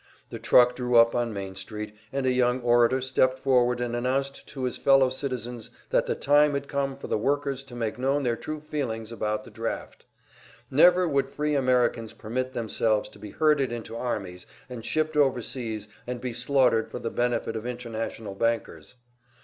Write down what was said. The truck drew up on Main Street, and a young orator stepped forward and announced to his fellow citizens that the time had come for the workers to make known their true feelings about the draft. Never would free Americans permit themselves to be herded into armies and shipped over seas and be slaughtered for the benefit of international bankers.